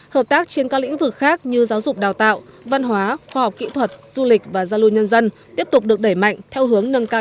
hợp tác trên các lĩnh vực khác như giáo dục đào tạo văn hóa khoa học kỹ thuật du lịch và giao lưu nhân dân tiếp tục được đẩy mạnh theo hướng nâng cao